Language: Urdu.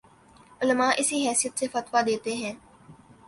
علما اسی حیثیت سے فتویٰ دیتے ہیں